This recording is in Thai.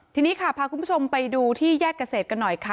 ทีนี้ค่ะพาคุณผู้ชมไปดูที่แยกเกษตรกันหน่อยค่ะ